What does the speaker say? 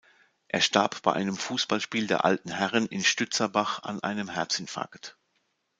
Er starb bei einem Fußballspiel der Alten Herren in Stützerbach an einem Herzinfarkt.